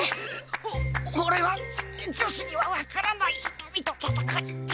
お俺は女子には分からない痛みと闘って！